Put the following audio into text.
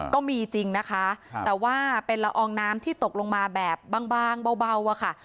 ก็มีจริงนะคะแต่ว่าเป็นละอองน้ำที่ตกลงมาแบบบางเบาอะค่ะ